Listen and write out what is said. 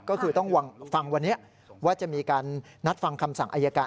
ก็คือต้องฟังวันนี้ว่าจะมีการนัดฟังคำสั่งอายการ